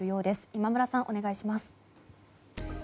今村さん、お願いします。